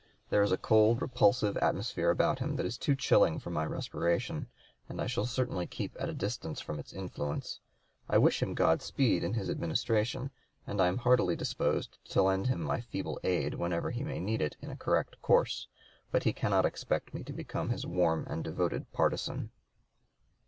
There is a cold, repulsive atmosphere about him that is too chilling for my respiration, and I shall certainly keep at a distance from its influence. I wish him God speed in his Administration, and am heartily disposed to lend him my feeble aid whenever he may need it in a correct course; but he cannot expect me to become his warm and devoted partisan."